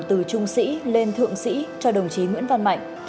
từ trung sĩ lên thượng sĩ cho đồng chí nguyễn văn mạnh